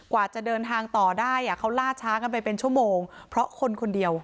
กว่าจะเดินทางต่อได้อ่ะเขาล่าช้ากันไปเป็นชั่วโมงเพราะคนคนเดียว